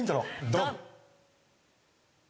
ドン！